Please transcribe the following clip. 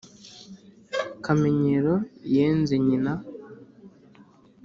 Kamenyero yenze nyina.